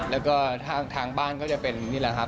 แล้วก็ทางบ้านก็จะเป็นนี่แหละครับ